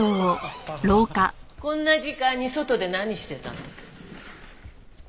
こんな時間に外で何してたの？